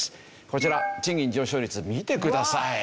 こちら賃金上昇率見てください。